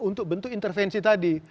untuk bentuk intervensi tadi